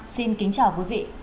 xin kính chào quý vị